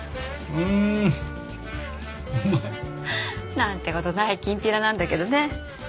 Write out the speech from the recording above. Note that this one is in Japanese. うまい！なんて事ないきんぴらなんだけどね。